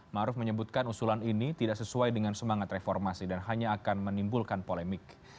maruf menyebutkan usulan ini tidak sesuai dengan semangat reformasi dan hanya akan menimbulkan polemik